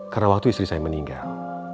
karena waktu istri saya meninggal